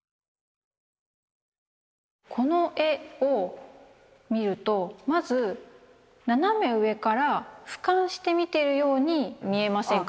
この絵を見るとまず斜め上から俯瞰して見てるように見えませんか？